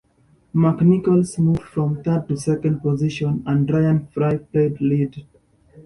Mark Nichols moved from third to second position and Ryan Fry played lead.